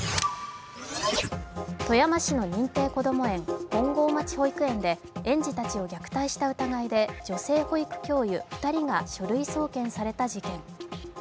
富山市の認定こども園・本郷町保育園で、園児たちを虐待した疑いで女性保育教諭２人が書類送検された事件。